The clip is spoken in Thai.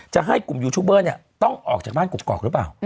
จะให้กลุ่มยูทูบเบอร์เนี่ยต้องออกจากบ้านกกอกหรือเปล่า